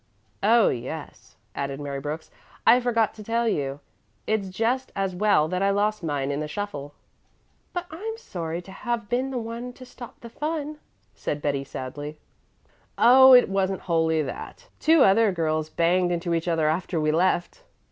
"Oh, yes," added Mary Brooks, "I forgot to tell you. So it's just as well that I lost mine in the shuffle." "But I'm sorry to have been the one to stop the fun," said Betty sadly. "Oh, it wasn't wholly that. Two other girls banged into each other after we left."